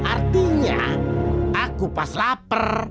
artinya aku pas lapar